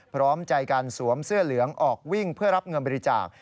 พร้อมใจการสวมเสื้อเหลืองออกวิ่งเพื่อรับเงินบริจาค